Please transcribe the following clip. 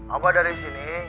abah dari sini